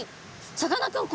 さかなクン！